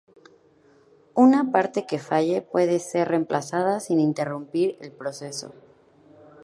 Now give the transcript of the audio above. Una parte que falle puede ser reemplazada sin interrumpir el proceso.